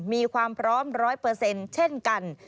มีความพร้อม๑๐๐เช่นกัน